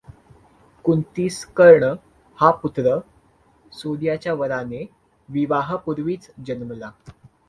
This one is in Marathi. कुंतीस कर्ण हा पुत्र सूर्याच्या वराने विवाहापूर्वी जन्मला.